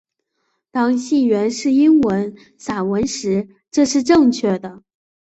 当信源是英文散文时这是正确的。